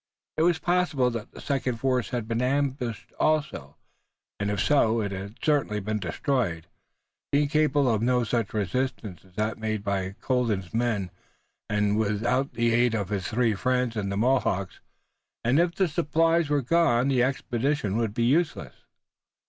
It was possible that the second force had been ambushed also, and, if so, it had certainly been destroyed, being capable of no such resistance as that made by Colden's men, and without the aid of the three friends and the Mohawks. And if the supplies were gone the expedition would be useless.